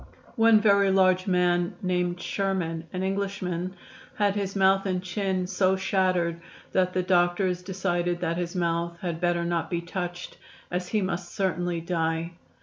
One very large man named Sherman, an Englishman, had his mouth and chin so shattered that the doctors decided that his mouth had better not be touched, as he must certainly die.